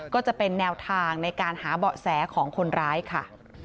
ก็จะเป็นแนวทางในการหาเบาะแสของคนร้ายค่ะ